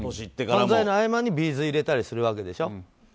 漫才の合間にＢ’ｚ入れたりするわけでしょ。